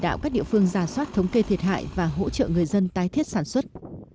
chỉ đạo các địa phương giả soát thống kê thiệt hại và hỗ trợ người dân tái thiết sản xuất